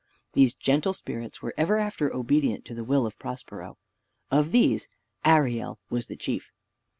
These gentle spirits were ever after obedient to the will of Prospero. Of these Ariel was the chief.